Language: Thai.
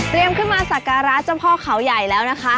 ขึ้นมาสักการะเจ้าพ่อเขาใหญ่แล้วนะคะ